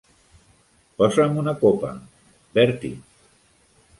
Posa'm una copa, Bertie.